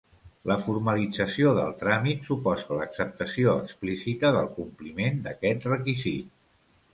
La formalització del tràmit suposa l'acceptació explícita del compliment d'aquest requisit.